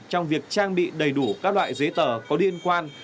trong việc trang bị đầy đủ các loại giấy tờ có liên quan